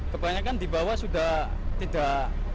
kebanyakan di bawah sudah tidak